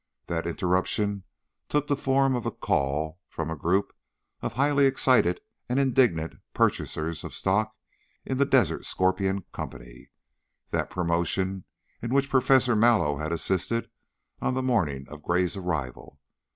That interruption took the form of a call from a group of highly excited and indignant purchasers of stock in the Desert Scorpion Company, that promotion in which Professor Mallow had assisted on the morning of Gray's arrival.